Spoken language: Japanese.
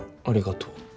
ありがとう。